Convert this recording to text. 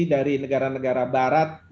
dari negara negara barat